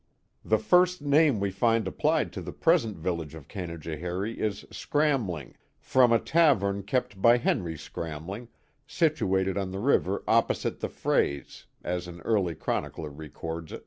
The first name we find applied to the present village of Canajoharie is Scramling, from a tavern kept by Henry Scram ling, situated on the river " opposite the Freys," as an early chronicler records it.